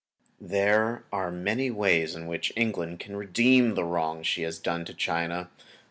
There are many ways in which England can redeem the wrong she has done to China.